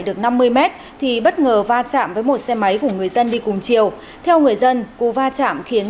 để tự bảo quản tài sản